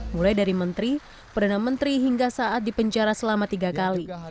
mulai dari menteri perdana menteri hingga saat dipenjara selama tiga kali